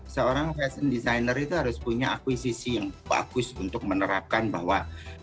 seorang fashion designer itu harus punya akuisisi yang bagus untuk menerapkan bahwa